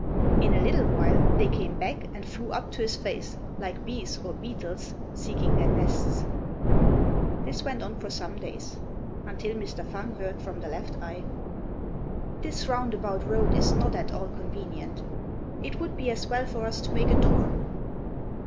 In a little while they came back and flew up to his face, like bees or beetles seeking their nests. This went on for some days, until Mr. Fang heard from the left eye, "This roundabout road is not at all convenient. It would be as well for us to make a door."